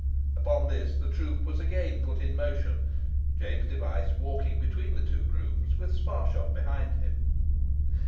Upon this the troop was again put in motion, James Device walking between the two grooms, with Sparshot behind him.